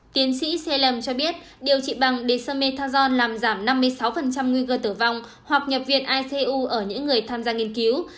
tiến sĩ salem cho biết điều trị bằng dexamethasone làm giảm năm mươi sáu nguy cơ tử vong hoặc nhập viện icu ở những người tham gia nghiên cứu